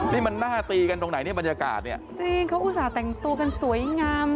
นี่มันน่าตีกันตรงไหนเนี่ยบรรยากาศเนี่ยจริงเขาอุตส่าห์แต่งตัวกันสวยงาม